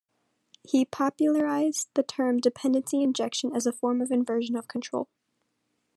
He popularized the term Dependency Injection as a form of Inversion of Control.